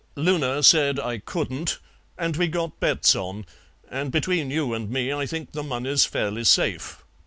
Loona said I couldn't, and we got bets on, and between you and me I think the money's fairly safe.